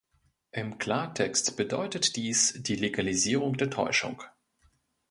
Im Klartext bedeutet dies die Legalisierung der Täuschung!